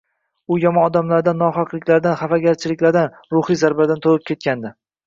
U yomon odamlardan, nohaqliklardan, hafagarchiliklardan – ruhiy zarbalardan to’yib ketgandi.